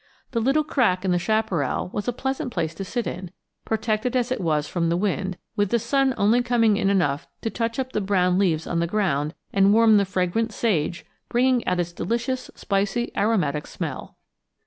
The little crack in the chaparral was a pleasant place to sit in, protected as it was from the wind, with the sun only coming in enough to touch up the brown leaves on the ground and warm the fragrant sage, bringing out its delicious spicy aromatic smell.